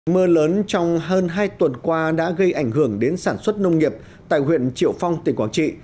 mưa lớn trong hơn hai tuần qua đã gây ảnh hưởng đến sản xuất nông nghiệp tại huyện triệu phong tỉnh quảng trị